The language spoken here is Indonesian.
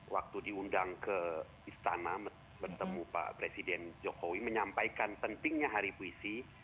waktu diundang ke istana bertemu pak presiden jokowi menyampaikan pentingnya hari puisi